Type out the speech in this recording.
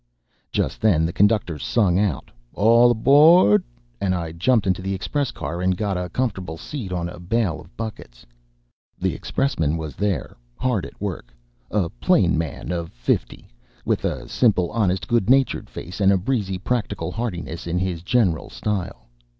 ] Just then the conductor sung out "All aboard," and I jumped into the express car and got a comfortable seat on a bale of buckets. The expressman was there, hard at work, a plain man of fifty, with a simple, honest, good natured face, and a breezy, practical heartiness in his general style.